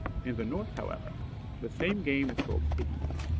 _] In the North, however, the same game is called "Piggie."